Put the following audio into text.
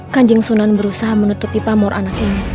kanjeng sunan berusaha menutupi pamor anak ini